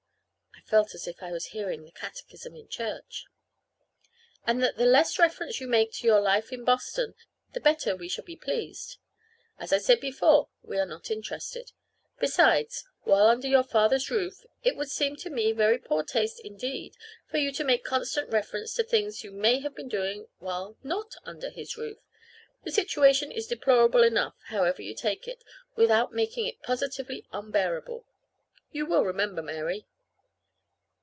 (I felt as if I was hearing the catechism in church!) "And that the less reference you make to your life in Boston, the better we shall be pleased. As I said before, we are not interested. Besides, while under your father's roof, it would seem to me very poor taste, indeed, for you to make constant reference to things you may have been doing while not under his roof. The situation is deplorable enough, however you take it, without making it positively unbearable. You will remember, Mary?"